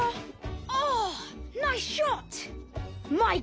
あナイスショット！